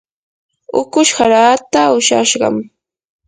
ukush haraata ushashqam.